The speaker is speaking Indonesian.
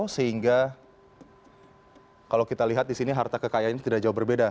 sehingga kalau kita lihat di sini harta kekayaan ini tidak jauh berbeda